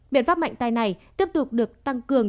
biện pháp mạnh tay này tiếp tục được tăng cường